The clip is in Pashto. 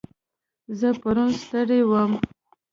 زه پرون ستړی وم.